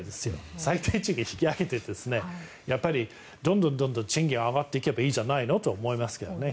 最低賃金を引き上げてどんどん賃金が上がっていけばいいじゃないのと思いますけどね。